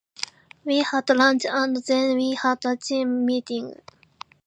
We had lunch and then we had a team meeting.